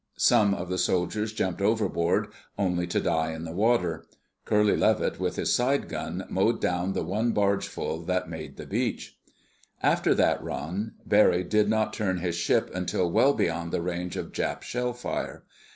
Some of the soldiers jumped overboard, only to die in the water. Curly Levitt with his side gun mowed down the one bargeful that made the beach. After that run, Barry did not turn his ship until well beyond the range of Jap shell fire.